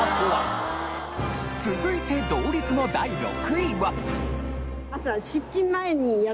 続いて同率の第６位は。